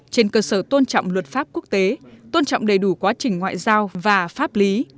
trên cơ sở tôn trọng luật pháp quốc tế tôn trọng đầy đủ quá trình ngoại giao và pháp lý